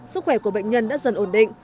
sức khỏe của bệnh nhân đã dần ổn định